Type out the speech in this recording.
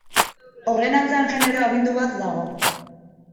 Horren atzean genero agindu bat dago.